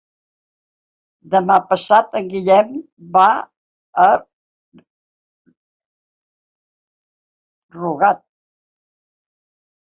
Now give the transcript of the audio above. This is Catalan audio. Demà passat en Guillem va a Rugat.